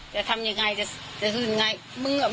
จะทำยังไงจะสู้ยังไง